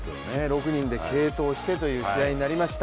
６人で継投してという試合になりました。